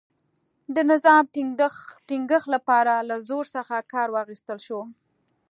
د نظم ټینګښت لپاره له زور څخه کار واخیستل شو.